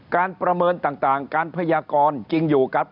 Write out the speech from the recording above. ประเมินต่างการพยากรจริงอยู่กับ